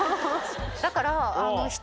だから。